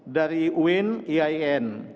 dari uin iain